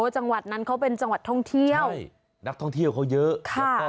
จังหวัดนั้นเขาเป็นจังหวัดท่องเที่ยวนักท่องเที่ยวเขาเยอะ